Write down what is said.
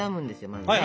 まずね。